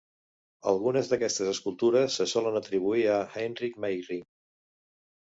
Algunes d'aquestes escultures se solen atribuir a Heinrich Meyring.